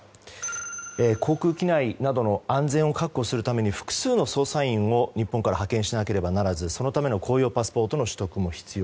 航空機内などの安全を確保するために複数の捜査員を日本から派遣しなければならずそのための公用パスポートの取得も必要。